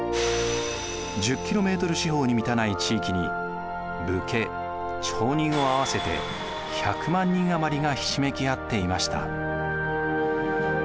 １０キロメートル四方に満たない地域に武家町人を合わせて１００万人余りがひしめき合っていました。